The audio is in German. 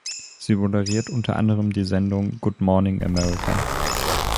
Sie moderiert unter anderem die Sendung "Good Morning America".